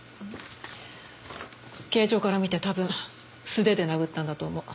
形状から見て多分素手で殴ったんだと思う。